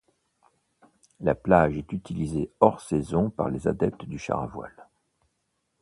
La plage est utilisée hors saison par les adeptes du char à voile.